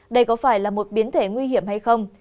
đây có phải là một biến thể nguy hiểm hay không